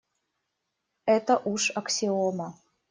Это уж аксиома.